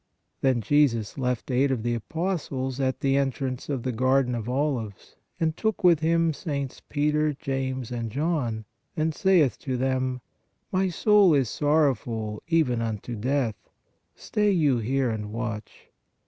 Then Jesus left eight of the apostles at the entrance of the garden of olives, and took with Him Sts. Peter, James and John and " saith to them : My soul is sor rowful even unto death, stay you here and watch.